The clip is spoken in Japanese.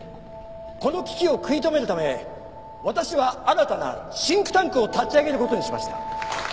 この危機を食い止めるため私は新たなシンクタンクを立ち上げる事にしました。